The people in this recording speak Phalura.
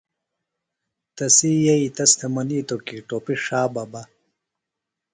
تسی یئی تس تھےۡ منِیتوۡ کی ٹوپیۡ ݜا بہ بہ۔